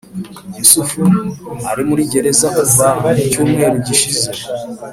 Yusufu ari muri gereza kuva mu cyumweru gishize